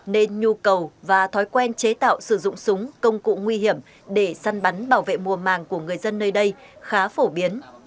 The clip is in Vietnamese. nên nhu cầu và thói quen chế tạo sử dụng súng công cụ nguy hiểm để săn bắn bảo vệ mùa màng của người dân nơi đây khá phổ biến